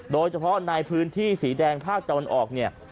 โดยเฉพาะในพื้นที่สีแดงภาคตะวันออกเนี่ย